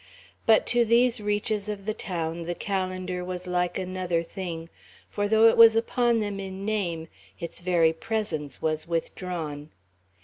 But to these reaches of the town the calendar was like another thing, for though it was upon them in name, its very presence was withdrawn.